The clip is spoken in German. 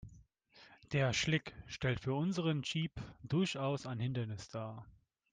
Der Schlick stellt für unseren Jeep durchaus ein Hindernis dar.